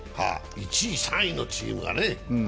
１位、３位のチームがね。